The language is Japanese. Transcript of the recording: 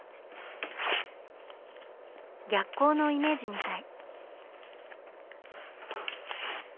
逆光のイメージみたい。